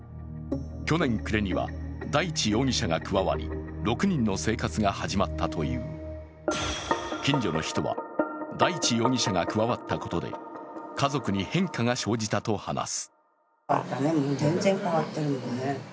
去年暮れには大地容疑者が加わり６人の生活が始まったという近所の人は、大地容疑者が加わったことで、家族に変化が生じたと話す。